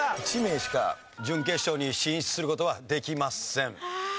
１名しか準決勝に進出する事はできません。